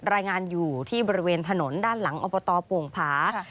รายงานอยู่ที่บริเวณถนนด้านหลังอบตโป่งผา